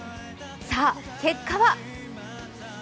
さあ、結果は？